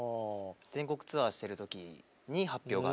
全国ツアーしてる時に発表があって。